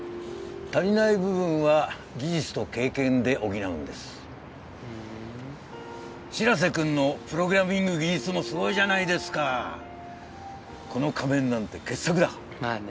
足りない部分は技術と経験で補うんですふん白瀬くんのプログラミング技術もすごいじゃないですかこの仮面なんて傑作だまあね